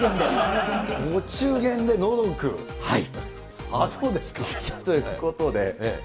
お中元で脳ドック。ということで。